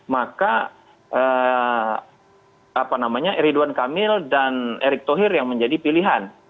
maka eridon kamil dan erik thohir yang menjadi pilihan